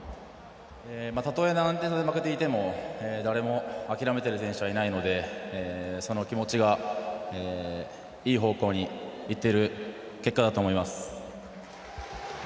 たとえ何点差で負けていても誰も諦めてる選手はいないのでその気持ちがいい方向にいっている結果だと思います。